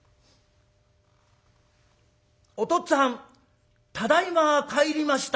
「おとっつぁんただいま帰りました」。